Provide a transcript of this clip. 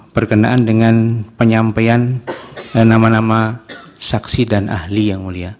berkenaan dengan penyampaian nama nama saksi dan ahli yang mulia